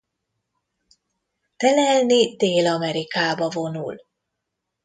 Telelni Dél-Amerikába vonul.